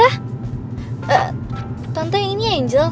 eh tante ini angel